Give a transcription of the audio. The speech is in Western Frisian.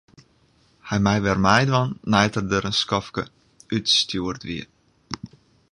Hy mei wer meidwaan nei't er der in skoftke útstjoerd wie.